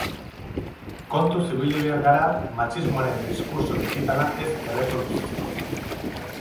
Kontuz ibili behar gara matxismoaren diskurtso digitala ez erreproduzitzeko.